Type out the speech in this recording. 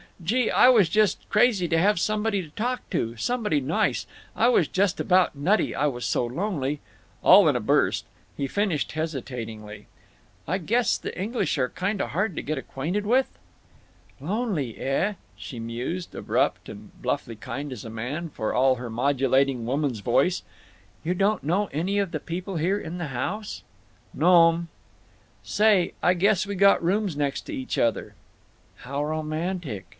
Gee, I was just crazy to have somebody to talk to—somebody nice—I was just about nutty, I was so lonely," all in a burst. He finished, hesitatingly, "I guess the English are kinda hard to get acquainted with." "Lonely, eh?" she mused, abrupt and bluffly kind as a man, for all her modulating woman's voice. "You don't know any of the people here in the house?" "No'm. Say, I guess we got rooms next to each other." "How romantic!"